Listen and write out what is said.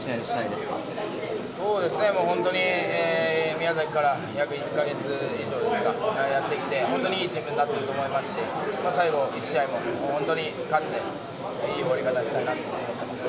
そうですね、本当に宮崎から約１か月以上ですか、やってきて、本当にいいチームになってると思いますし、最後１試合も本当に勝って、いい終わり方したいなと思ってます。